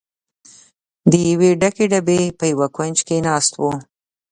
د یوې ډکې ډبې په یوه کونج کې ناست و.